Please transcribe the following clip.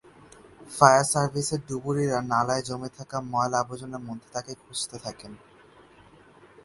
Fire সার্ভিসের ডুবুরিরা নালায় জমে থাকা ময়লা-আবর্জনার মধ্যে তাকে খুঁজতে থাকেন।